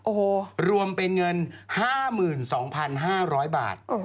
โอ้โหรวมเป็นเงิน๕๒๕๐๐บาท